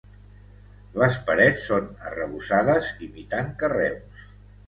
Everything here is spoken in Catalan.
Les parets són arrebossades imitant carreus.